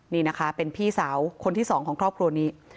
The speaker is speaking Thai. นี่นะคะเป็นพี่สาวคนที่สองของครอบครัวนี้